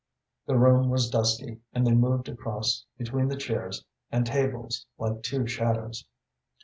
The room was dusky, and they moved across between the chairs and tables like two shadows.